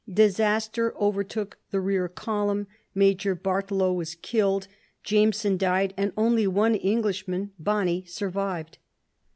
Disaster overtook the rear column; Major Barttelot was killed, Jameson died, and only one Englishman, Bonny, survived.